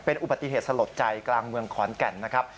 อุบัติเหตุสลดใจกลางเมืองขอนแก่นนะครับ